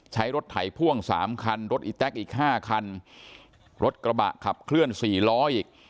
ใช้รถไถพ่วงสามคันรถอีแต๊กอีกห้าคันรถกระบะขับเคลื่อนสี่ล้ออีก